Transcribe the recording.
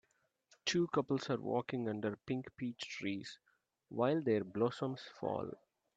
Two couples are walking under pink peach trees, while their blossoms fall.